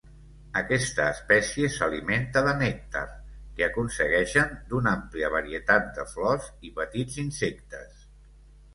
Aquesta espècie s'alimenta de nèctar, que aconsegueixen d'una àmplia varietat de flors, i petits insectes.